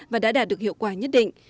và đã đạt được hiệu quả nhất định